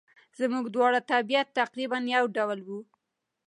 زموږ دواړو طبیعت تقریباً یو ډول وو.